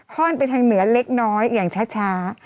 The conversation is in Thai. ้อนไปทางเหนือเล็กน้อยอย่างช้า